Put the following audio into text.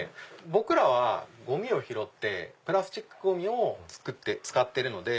僕らはゴミを拾ってプラスチックゴミを使っているので。